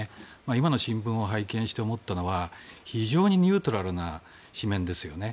今の新聞を拝見して思ったのは非常にニュートラルな紙面ですよね。